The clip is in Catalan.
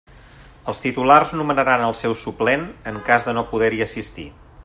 Els titulars nomenaran el seu suplent, en cas de no poder-hi assistir.